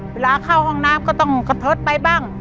เวลาเข้าห้องน้ำก็ต้องกระเทิดไปบ้าง